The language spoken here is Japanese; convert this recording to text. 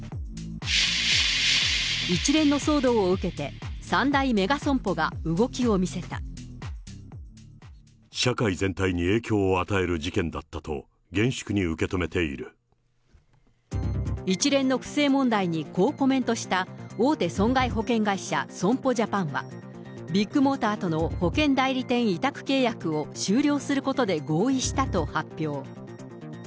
一連の騒動を受けて、社会全体に影響を与える事件一連の不正問題にこうコメントした、大手損害保険会社、損保ジャパンは、ビッグモーターとの保険代理店委託契約を終了することで合意したと発表。